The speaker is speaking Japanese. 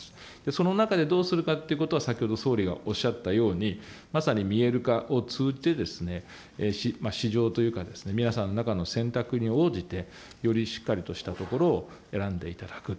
その中で、どうするかということは先ほど総理がおっしゃったように、まさに見える化を通じて、市場というか皆さんの中の選択に応じて、よりしっかりとしたところを選んでいただく。